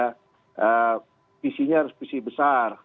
nah isinya harus visi besar